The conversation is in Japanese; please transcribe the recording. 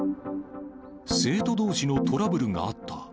生徒どうしのトラブルがあった。